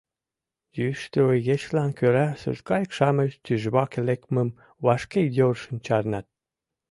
Йӱштӧ игечылан кӧра сурткайык-шамыч тӱжваке лекмым вашке йӧршын чарнат.